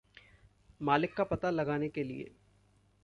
मालिक का पता लगाने के लिए